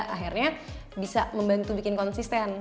akhirnya bisa membantu bikin konsisten